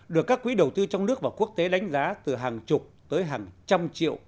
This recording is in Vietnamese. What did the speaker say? được các quỹ đầu tư trong nước và quốc tế đánh giá từ hàng chục tới hàng trăm triệu